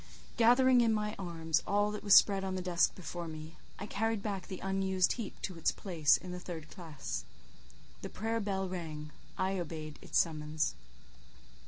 Gathering in my arms all that was spread on the desk before me, I carried back the unused heap to its place in the third classe. The prayer bell rang; I obeyed its summons.